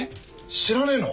知らねえの？